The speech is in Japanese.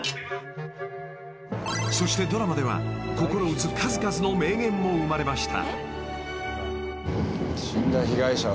［そしてドラマでは心打つ数々の名言も生まれました］